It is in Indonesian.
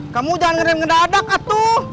kamu jangan ngerem ngedadak atuh